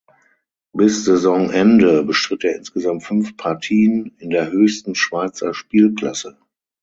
Bis Saisonende bestritt er insgesamt fünf Partien in der höchsten Schweizer Spielklasse.